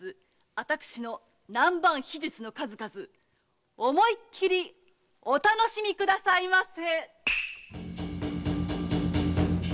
私の南蛮秘術の数々思いきりお楽しみくださいませ！